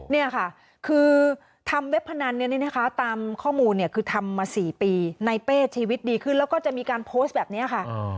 นี่ค่ะคือทำเว็บพนันเนี่ยนี่นะคะตามข้อมูลเนี่ยคือทำมา๔ปีในเป้ชีวิตดีขึ้นแล้วก็จะมีการโพสต์แบบนี้ค่ะ